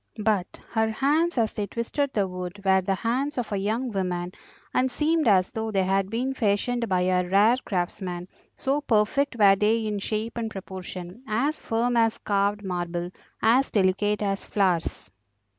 But her hands as they twisted the wood were the hands of a young woman, and seemed as though they had been fashioned by a rare craftsman, so perfect were they in shape and proportion, as firm as carved marble, as delicate as flowers.